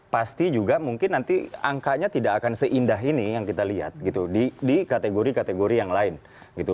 pasti juga mungkin nanti angkanya tidak akan seindah ini yang kita lihat gitu di kategori kategori yang lain gitu